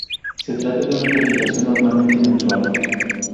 Se trata de una publicación normalmente mensual.